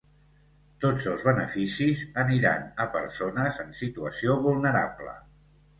Tots els beneficis aniran a persones en situació vulnerable.